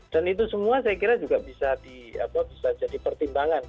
dan itu semua saya kira juga bisa di apa bisa jadi pertimbangan